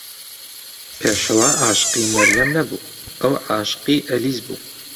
پێشەوا عاشقی مەریەم نەبوو، ئەو عاشقی ئەلیس بوو.